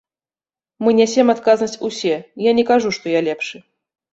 Мы нясем адказнасць усе, я не кажу, што я лепшы.